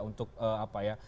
untuk apa ya